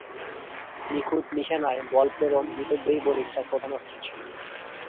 নিখুঁত নিশানায় বল প্রেরণ, মিতব্যয়ী বোলিং তার প্রধান অস্ত্র ছিল।